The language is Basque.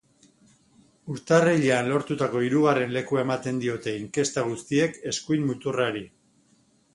Urtarrilean lortutako hirugarren lekua ematen diote inkesta guztiek eskuin muturrari.